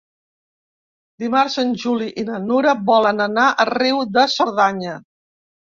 Dimarts en Juli i na Nura volen anar a Riu de Cerdanya.